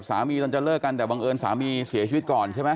ตอนจะเลิกกันแต่บังเอิญสามีเสียชีวิตก่อนใช่ไหม